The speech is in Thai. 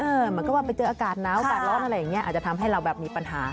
เหมือนกับว่าไปเจออากาศหนาวอากาศร้อนอะไรอย่างนี้อาจจะทำให้เราแบบมีปัญหา